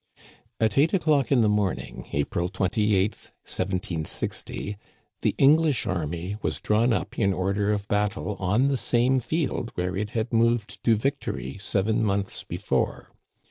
At eight o'clock in the morning, April 28, 1760, the English army was drawn up in order of battle on the same field where it had moved to victory seven months before.